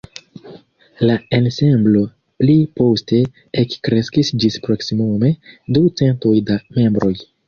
La ensemblo pli poste ekkreskis ĝis proksimume du centoj da membroj.